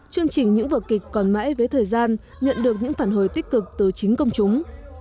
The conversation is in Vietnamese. chương trình những vở kịch còn mãi với thời gian nhận được những phản hồi tích cực từ chính công chúng